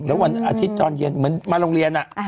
แล้ววันอาทิตย์ตอนเย็นเหมือนมาโรงเรียน